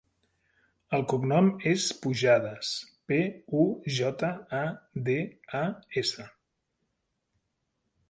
El cognom és Pujadas: pe, u, jota, a, de, a, essa.